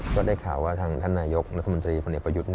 ก็ได้ข่าวว่าท่านหน้ายกลักษมนตรีพลประยุทธ์